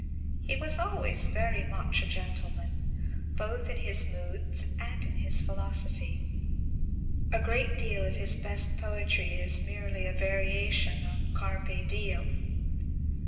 He was always very much a gentleman, both in his moods and his philosophy. A great deal of his best poetry is merely a variation on _carpe diem.